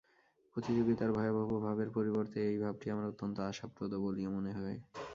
প্রতিযোগিতার ভয়াবহ ভাবের পরিবর্তে এই ভাবটি আমার অত্যন্ত আশাপ্রদ বলিয়া মনে হয়।